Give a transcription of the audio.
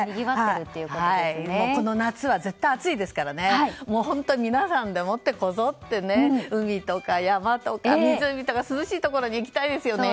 この夏は絶対に暑いですから皆さんでこぞって海とか山とか湖とか涼しいところに行きたいですね。